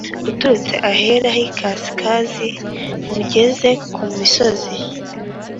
Uturutse ahahera h ikasikazi nkugeze ku misozi